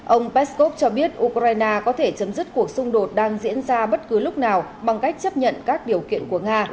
ông peskov cho biết ukraine có thể chấm dứt cuộc xung đột đang diễn ra bất cứ lúc nào bằng cách chấp nhận các điều kiện của nga